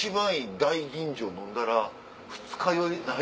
大吟醸飲んだら二日酔いない。